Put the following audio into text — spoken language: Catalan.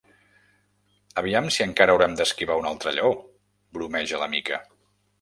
Aviam si encara haurem d'esquivar un altre lleó —bromeja la Mica.